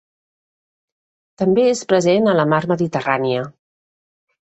També és present a la Mar Mediterrània.